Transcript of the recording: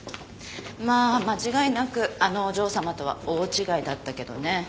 まあ間違いなくあのお嬢さまとは大違いだったけどね。